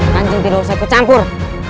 kanjeng tidak usah ikut campur